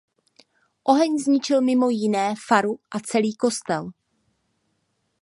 Oheň zničil mimo jiné faru a celý kostel.